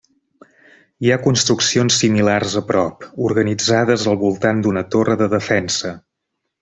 Hi ha construccions similars a prop, organitzades al voltant d'una torre de defensa.